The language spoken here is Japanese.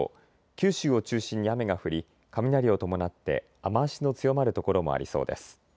九州を中心に雨が降り雷を伴って雨足の強まる所もありそうです。